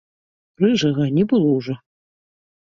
Рыжага не было ўжо.